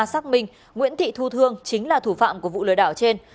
xác minh nguyễn thị thu thương chính là thủ phạm của vụ lừa đảo trên